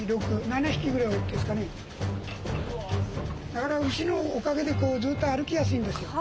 なかなか牛のおかげでこうずっと歩きやすいんですよ。